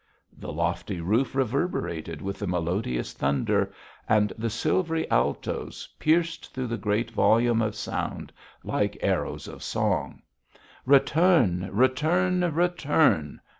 The lofty roof reverberated with the melodious thunder, and the silvery altoes pierced through the great volume of sound like arrows of song. 'Return! Return! Return!'